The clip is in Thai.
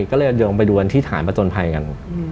ก็เลยลงไปดูกันที่ฐานประจนภัยกัน